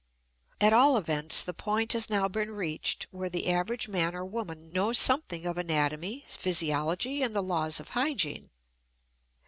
At all events the point has now been reached where the average man or woman knows something of anatomy, physiology, and the laws of hygiene.